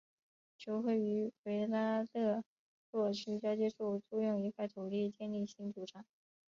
球会于维拉勒若区交界处租用一块土地建立新主场。